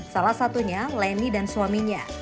salah satunya leni dan suaminya